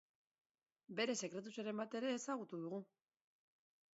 Bere sekretutxoren bat ere ezagutu dugu.